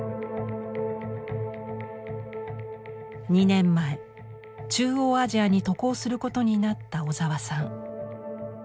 ２年前中央アジアに渡航することになった小沢さん。